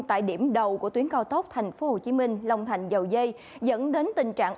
tại điểm đầu của tuyến cao tốc tp hcm long thành dầu dây dẫn đến tình trạng